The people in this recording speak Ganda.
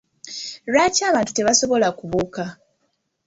Lwaki abantu tebasobola kubuuka?